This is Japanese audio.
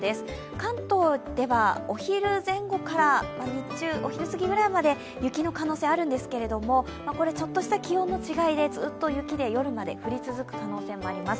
関東ではお昼前後から日中、お昼過ぎぐらいまで雪の可能性あるんですけれども、これはちょっとした気温の違いでずっと雪で夜まで降り続く可能性もあります。